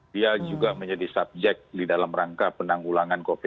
dia juga menjadi subjek di dalam rangka penanggulangan covid sembilan belas